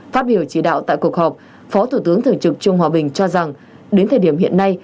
phát biểu chỉ đạo tại cuộc họp phó thủ tướng thường trực trương hòa bình cho rằng đến thời điểm hiện nay